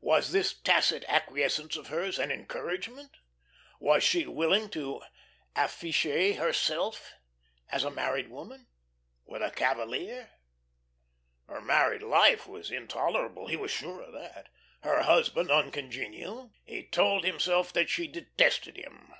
Was this tacit acquiescence of hers an encouragement? Was she willing to afficher herself, as a married woman, with a cavalier? Her married life was intolerable, he was sure of that; her husband uncongenial. He told himself that she detested him.